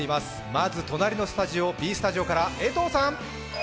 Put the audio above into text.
まず隣のスタジオ、Ｂスタジオから江藤さん。